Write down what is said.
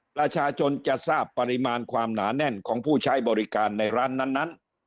ประชาชนจะทราบปริมาณความหนาแน่นของผู้ใช้บริการในร้านนั้น